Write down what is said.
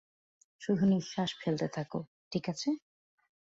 শুধু নিঃশ্বাস ফেলতে থাকো, ঠিক আছে?